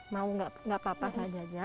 mau enggak enggak apa apa enggak jajan